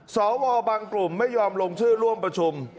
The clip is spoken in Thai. สวบางกลุ่มไม่ยอมลงชื่อร่วมประชุม